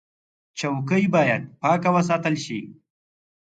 چوکۍ باید پاکه وساتل شي.